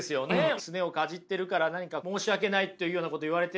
すねをかじってるから何か申し訳ないというようなこと言われてませんでした？